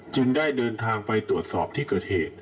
จึงได้เดินทางไปตรวจสอบที่เกิดเหตุ